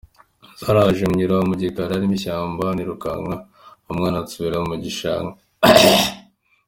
Zaraje nyura mu gikari hari ishyamba nirukankana umwana nsubira mu gishanga ”.